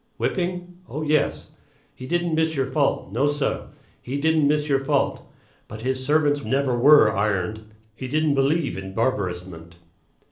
Whipping? Oh, yes. "He didn't miss your fault. No, sah, he didn't miss your fault." But his servants never were "ironed." He "didn't believe in barbarousment."